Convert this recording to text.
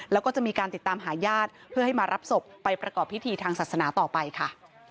แล้วก็จะมีการติดตามหาญาติเพื่อให้มารับศพไปประกอบพิธีทางศาสนาต่อไปค่ะ